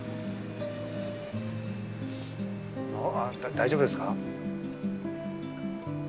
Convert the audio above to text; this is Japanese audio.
大丈夫ですか？